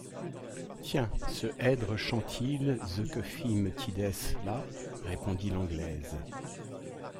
Tiens, ce êdre chentile ze que fis me tides là, répondit l’Anglaise.